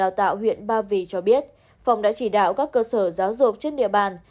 đại diện lãnh đạo huyện ba vì cho biết phòng đã chỉ đạo các cơ sở giáo dục trên địa bàn